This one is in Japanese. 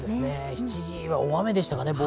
７時は大雨でしたね。